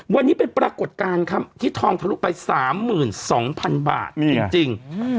วันนี้เป็นปรากฏการณ์ครับที่ทองทะลุไป๓๒๐๐๐บาทจริง